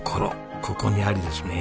ここにありですね。